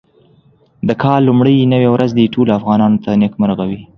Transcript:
د کال لومړۍ نوې ورځ دې ټولو افغانانو ته نېکمرغه وي.